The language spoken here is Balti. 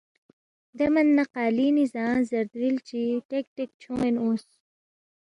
دے من نہ قالِینی زانگ زدرِل چی ٹیک ٹیک چھون٘ین اونگس